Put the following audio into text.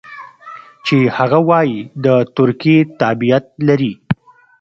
چې هغه وايي د ترکیې تابعیت لري.